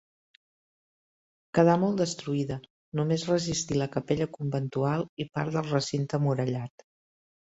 Quedà molt destruïda, només resistí la capella conventual i part del recinte murallat.